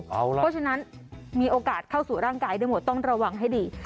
เพราะฉะนั้นมีโอกาสเข้าสู่ร่างกายได้หมดต้องระวังให้ดี